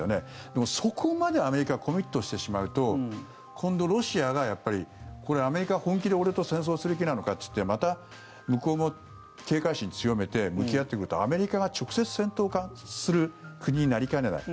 でも、そこまでアメリカがコミットしてしまうと今度ロシアが、これはアメリカは本気で俺と戦争する気なのかっつってまた向こうも警戒心を強めて向き合ってくるとアメリカが直接戦闘する国になりかねない。